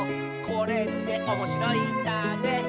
「これっておもしろいんだね」